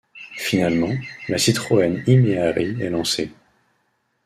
Finalement, la Citroën e-Méhari est lancée.